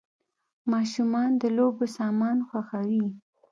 ماشومان د لوبو سامان خوښوي .